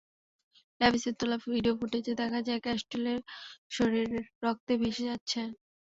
ল্যাভিসের তোলা ভিডিও ফুটেজে দেখা যায়, ক্যাস্টিলের শরীর রক্তে ভেসে যাচ্ছে।